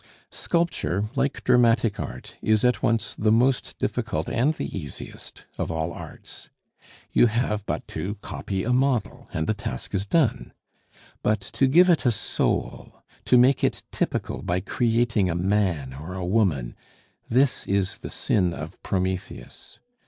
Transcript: Sculpture like dramatic art is at once the most difficult and the easiest of all arts. You have but to copy a model, and the task is done; but to give it a soul, to make it typical by creating a man or a woman this is the sin of Prometheus.